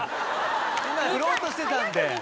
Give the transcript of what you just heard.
今振ろうとしてたんで。